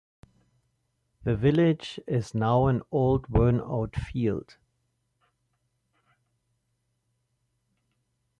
The village is now an old worn-out field.